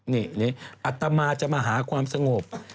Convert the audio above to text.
นี่อัตมาจะมาหาความสงบ